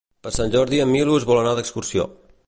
Per Sant Jordi en Milos vol anar d'excursió.